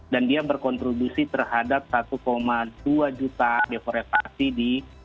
dan dia berkontribusi terhadap satu dua juta deforestasi di